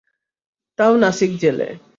তাও নাসিক জেলে।